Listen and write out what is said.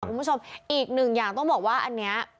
คุณผู้ชมอีกหนึ่งอย่างต้องบอกว่าอันนี้